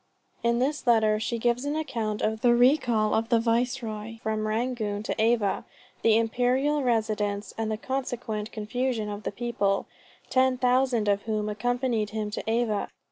In this letter she gives an account of the recall of the Viceroy from Rangoon to Ava, the imperial residence, and the consequent confusion of the people, ten thousand of whom accompanied him to Ava.